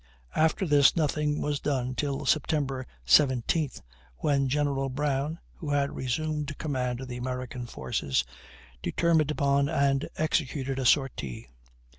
After this nothing was done till Sept. 17th, when General Brown, who had resumed command of the American forces, determined upon and executed a sortie.